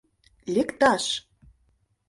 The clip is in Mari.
Лекташ!